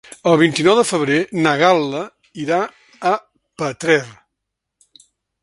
El vint-i-nou de febrer na Gal·la irà a Petrer.